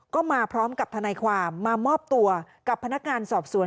ก็มาพร้อมกับทนายความมามอบตัวกับพนักงานสอบสวน